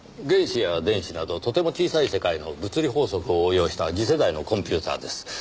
原子や電子などとても小さい世界の物理法則を応用した次世代のコンピューターです。